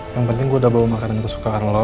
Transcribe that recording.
yang penting gue udah bawa makanan kesukaan lo